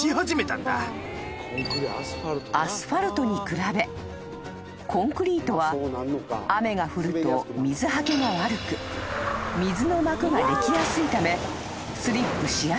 ［アスファルトに比べコンクリートは雨が降ると水はけが悪く水の膜ができやすいため］